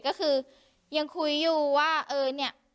ก็คือยังคุยอยู่ว่าเออเนี่ย